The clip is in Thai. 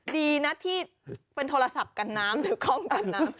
ดีนะที่เป็นโทรศัพท์กันน้ำหรือคล่อมกันน้ำ